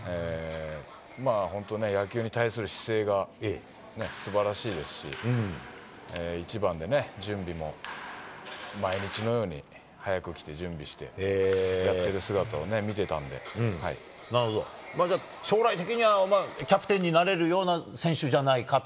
本当ね、野球に対する姿勢がすばらしいですし、一番でね、準備も毎日のように早く来て準備してやってる姿をね、なるほど、じゃあ、将来的にはキャプテンになれるような選手じゃないかと？